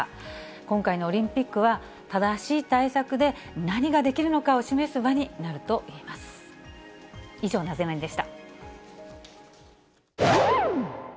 今回のオリンピックは、正しい対策で、何ができるのかを示す場になるといえます。